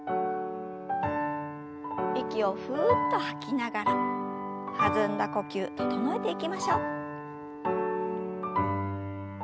息をふっと吐きながら弾んだ呼吸整えていきましょう。